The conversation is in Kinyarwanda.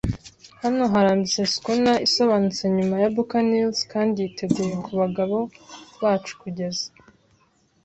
Hano harambitse schooner, isobanutse nyuma ya buccaneers kandi yiteguye kubagabo bacu kugeza